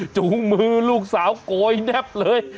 จูงมือลูกสาวโกยแนบเลย